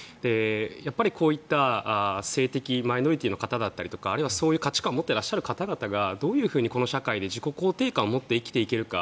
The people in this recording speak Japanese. やっぱり、こういった性的マイノリティーの方だったりとかあるいはそういう価値観を持っていらっしゃる方々がどういうふうにこの社会で自己肯定感を持っていけるか。